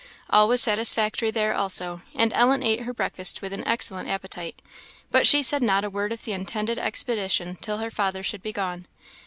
All was satisfactory there also; and Ellen ate her breakfast with an excellent appetite; but she said not a word of the intended expedition till her father should be gone.